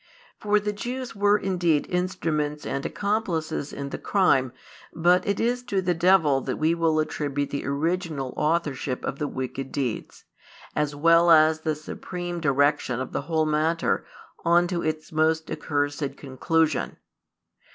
For the Jews were indeed instruments and accomplices in the crime, but it is to the devil that we will attribute the original authorship of the wicked deeds, as well as the supreme direction of the whole matter on to its most accursed conclusion.